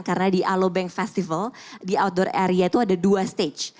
karena di alobank festival di outdoor area itu ada dua stage